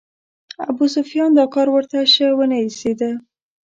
ابوسفیان دا کار ورته شه ونه ایسېده.